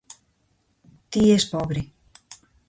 Ti es pobre.